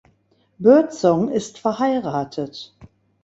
Birdsong ist verheiratet.